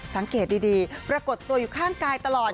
สังเกตดีปรากฏตัวอยู่ข้างกายตลอด